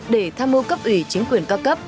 để tham mưu cấp ủy chính quyền cao cấp